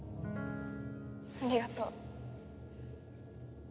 ありがとう。